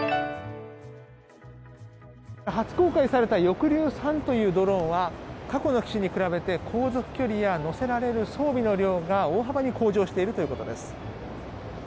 初公開された翼竜３というドローンは過去の機種に比べて航続距離や載せられる装備の量が大幅に向上しているということです。